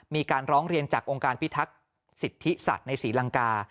มีการร้องเรียนจากองค์การพิทักษ์สิทธิสัตว์ในศรีลังกา